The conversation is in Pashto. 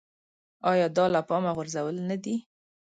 ایا دا له پامه غورځول نه دي.